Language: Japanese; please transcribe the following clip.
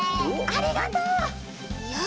ありがとう！よし！